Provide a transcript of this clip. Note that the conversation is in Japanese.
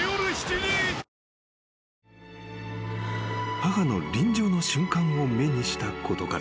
［母の臨終の瞬間を目にしたことから］